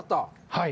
はい。